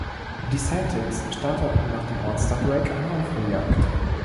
Die Celtics starteten nach dem All-Star Break eine Aufholjagd.